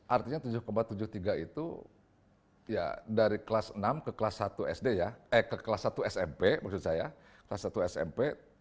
artinya tujuh tujuh puluh tiga itu dari kelas enam ke kelas satu smp